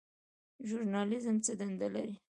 ژورنالیزم څه دنده لري؟